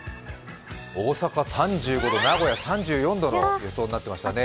大阪３５度、名古屋３４度の予想になっていましたね。